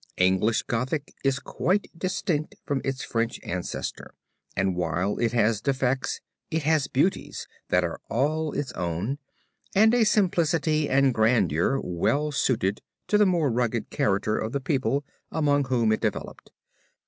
English Gothic is quite distinct from its French ancestor, and while it has defects it has beauties, that are all its own, and a simplicity and grandeur, well suited to the more rugged character of the people among whom it developed.